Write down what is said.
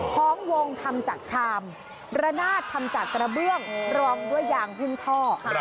ของวงทำจากชามระนาดทำจากกระเบื้องรองด้วยยางหุ้มท่อ